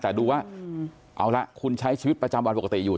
แต่ดูว่าเอาละคุณใช้ชีวิตประจำวันปกติอยู่